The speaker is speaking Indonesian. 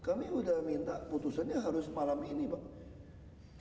kami udah minta putusannya harus malam ini pak